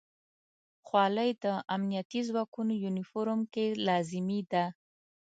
خولۍ د امنیتي ځواکونو یونیفورم کې لازمي ده.